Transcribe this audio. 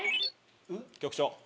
局長！